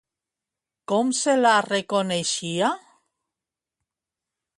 Com se la reconeixia?